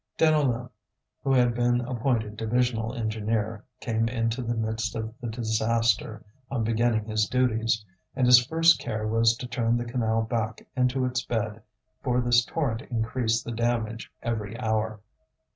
Deneulin, who had been appointed divisional engineer, came into the midst of the disaster on beginning his duties; and his first care was to turn the canal back into its bed, for this torrent increased the damage every hour.